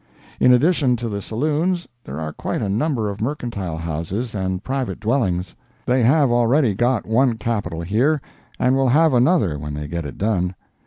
In addition to the saloons, there are quite a number of mercantile houses and private dwellings. They have already got one capitol here, and will have another when they get it done.